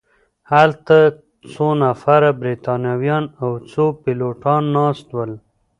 هلته څو نفره بریتانویان او څو پیلوټان ناست ول.